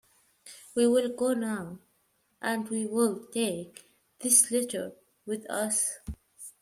We will go now, and we will take this letter with us.